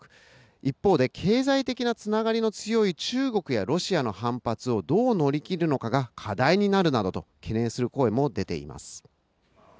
一方で、経済的なつながりの強い中国やロシアの反発をどう乗り切るのかが課題になるなどと懸念する声も出ています。